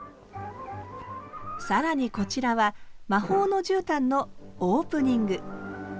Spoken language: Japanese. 更にこちらは「魔法のじゅうたん」のオープニング。